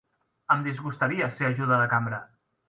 Em disgustaria ser ajuda de cambra